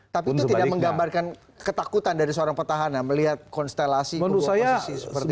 tapi itu tidak menggambarkan ketakutan dari seorang petahana melihat konstelasi kedua oposisi seperti itu